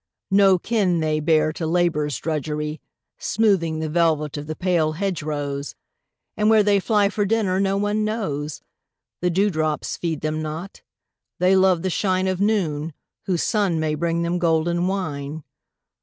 No kin they bear to labour's drudgery, Smoothing the velvet of the pale hedge rose; And where they fly for dinner no one knows The dew drops feed them not they love the shine Of noon, whose sun may bring them golden wine.